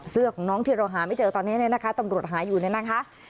เสื้อของน้องที่เราหาไม่เจอตอนนี้เนี่ยนะคะตำรวจหาอยู่เนี่ยนะคะ